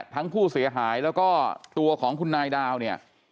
ทั้งผู้เสียหายแล้วก็ตัวของคุณนายดาวเนี่ย